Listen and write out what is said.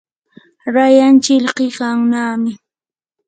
rayan chilqikannami.